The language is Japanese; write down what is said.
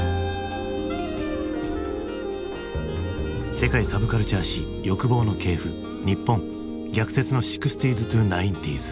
「世界サブカルチャー史欲望の系譜日本逆説の６０−９０ｓ」。